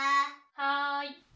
はい。